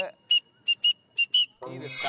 いいですか？